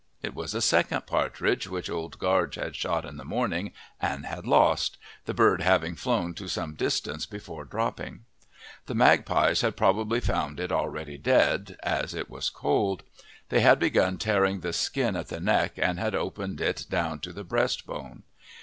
It was a second partridge which Old Gaarge had shot in the morning and had lost, the bird having flown to some distance before dropping. The magpies had probably found it already dead, as it was cold; they had begun tearing the skin at the neck and had opened it down to the breast bone.